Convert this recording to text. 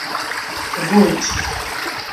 Tgujj.